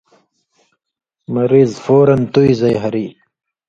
مریض فورًا تُوی زئ ہری۔